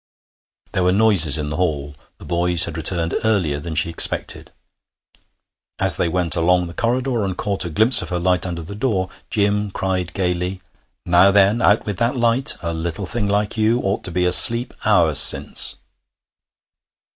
There were noises in the hall; the boys had returned earlier than she expected. As they went along the corridor and caught a glimpse of her light under the door, Jim cried gaily: 'Now then, out with that light! A little thing like you ought to be asleep hours since.'